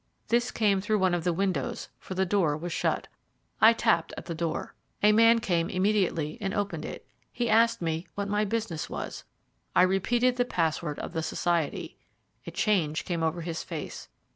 This came through one of the windows, for the door was shut. I tapped at the door. A man came immediately and opened it. He asked me what my business was. I repeated the password of the society. A change came over his face.